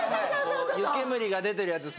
湯煙が出てるやつ。